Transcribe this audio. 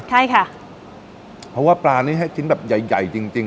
เพราะว่าปลานี่ให้ชิ้นแบบใหญ่จริง